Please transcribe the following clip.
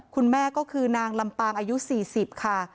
คุณแม่ก็คือนางลำปางอายุ๔๐ค่ะ